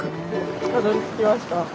たどりつきました。